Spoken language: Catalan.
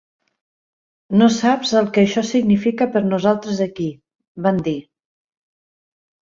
"No saps el que això significa per a nosaltres aquí", van dir.